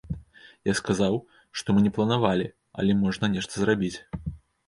Я сказаў, што мы не планавалі, але можна нешта зрабіць.